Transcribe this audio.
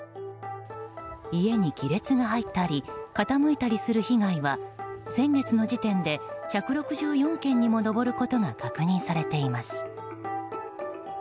家に亀裂が入ったり傾いたりする被害は先月の時点で１６４件にも上ることが確認されています。